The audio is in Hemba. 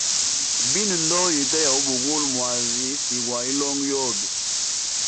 Binwe ndoa yite ya ubugula mwazi si gwa hilongo yobe.